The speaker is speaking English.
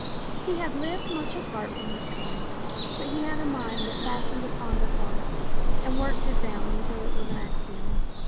He had lived much apart from his kind, but he had a mind that fast ened upon a thought and worked it down until it was an axiom.